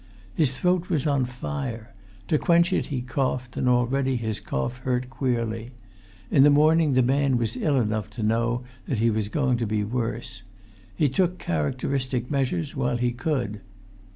His throat was on fire, to quench it he coughed, and already his cough hurt queerly. In the morning the man was ill enough to know that he was going to be worse. He took characteristic measures while he could.